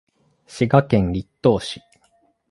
滋賀県栗東市